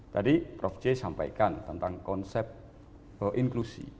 tadi prof c sampaikan tentang konsep inklusi